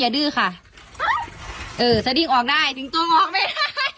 อย่าดื้อค่ะอุ๊ยจ๊ะดิ้งออกได้ติ๊งตัวก็ขึ้นไปได้